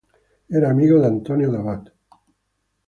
Era amigo de Antonio de Abad